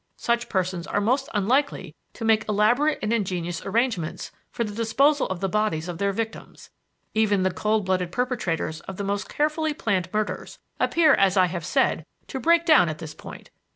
Such persons are most unlikely to make elaborate and ingenious arrangements for the disposal of the bodies of their victims. Even the cold blooded perpetrators of the most carefully planned murders appear as I have said, to break down at this point.